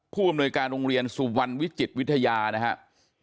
ผู้อำนวยการโรงเรียนสุวรรณวิจิตวิทยานะครับ